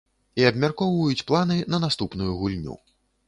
І абмяркоўваюць планы на наступную гульню.